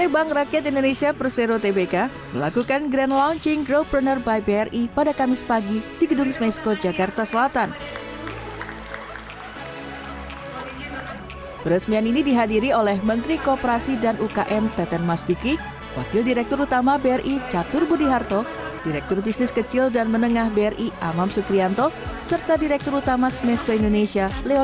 bersama dengan bni bni dan bni